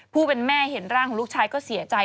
ผู้เป็นแม่เห็นร่างของลูกชายก็เสียใจ